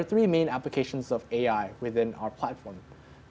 jadi ada tiga aplikasi utama dari ai di dalam platform kami